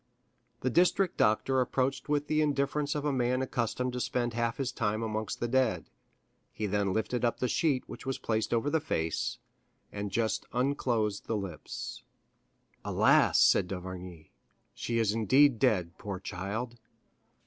The district doctor approached with the indifference of a man accustomed to spend half his time amongst the dead; he then lifted the sheet which was placed over the face, and just unclosed the lips. "Alas," said d'Avrigny, "she is indeed dead, poor child!"